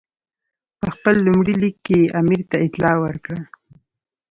په خپل لومړي لیک کې یې امیر ته اطلاع ورکړه.